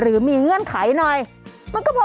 อยู่นี่หุ่นใดมาเพียบเลย